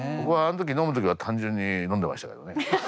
僕はあの時飲む時は単純に飲んでましたけどね。